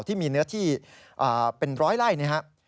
ที่มีเนื้อที่เป็นร้อยไล่นะครับ